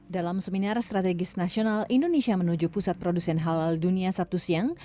dalam seminar strategis nasional indonesia menuju pusat produsen halal dunia sabtu siang